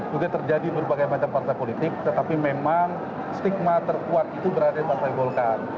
sudah terjadi berbagai macam partai politik tetapi memang stigma terkuat itu berada di partai golkar